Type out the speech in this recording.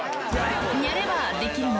にゃればできるの！